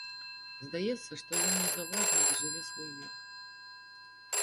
Здаецца, што ён незаўважна дажыве свой век.